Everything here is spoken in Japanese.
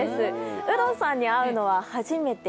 有働さんに会うのは初めて？